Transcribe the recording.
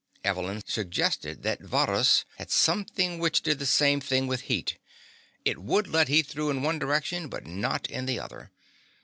Evelyn suggested that Varrhus had something which did the same thing with heat. It would let heat through in one direction, but not in the other.